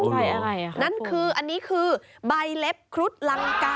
ใบอะไรอ่ะนั่นคืออันนี้คือใบเล็บครุฑลังกา